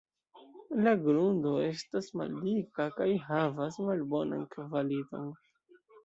La grundo estas maldika kaj havas malbonan kvaliton.